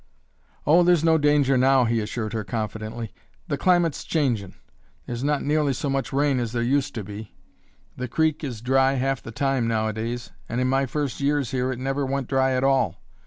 "Oh, there's no danger now," he assured her confidently. "The climate's changin'. There's not nearly so much rain as there used to be. The creek is dry half the time nowadays, and in my first years here it never went dry at all.